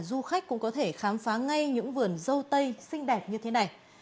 du khách cũng có thể khám phá ngay những vườn dâu tây xinh đẹp như thế này